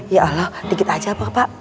ya allah sedikit aja pak pak